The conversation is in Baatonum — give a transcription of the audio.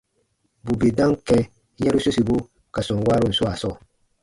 Bù bè dam kɛ̃ yɛ̃ru sosibu ka sɔm waarun swaa sɔɔ,